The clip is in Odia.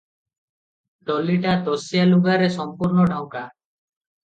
ଡୋଲିଟା ଦଶିଆ ଲୁଗାରେ ସମ୍ପୂର୍ଣ୍ଣ ଢଙ୍କା ।